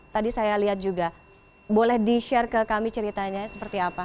tadi saya lihat juga boleh di share ke kami ceritanya seperti apa